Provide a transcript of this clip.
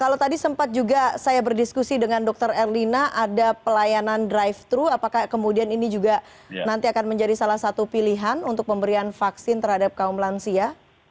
kalau tadi sempat juga saya berdiskusi dengan dr erlina ada pelayanan drive thru apakah kemudian ini juga nanti akan menjadi salah satu pilihan untuk pemberian vaksin terhadap kaum lansia